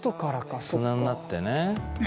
大人になってね。